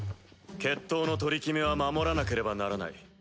決闘の取り決めは守らなければならない。